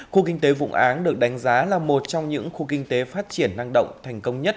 khu kinh tế vụ án được đánh giá là một trong những khu kinh tế phát triển năng động thành công nhất